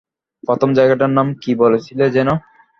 প্রথম জায়গাটার নাম কী বলেছিলে যেন?